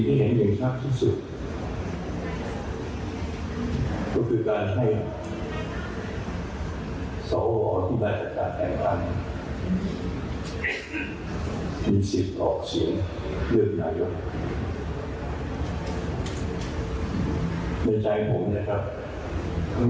ในใจผมนะครับตรงนี้ตรงนั้นตรงนั้นผมก็มีเพื่อนที่เป็นสวอยู่หลายท่าน